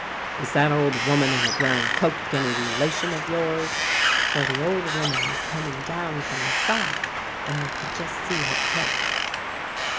"'Is that old woman in a brown cloak any relation of yours?' for the old woman was coming down from the sky, and they could just see her cloak.